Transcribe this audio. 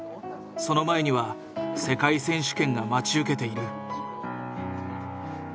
その前には世界選手権が待ち受けている。